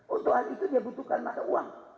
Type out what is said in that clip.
untuk hal itu dia butuhkan mata uang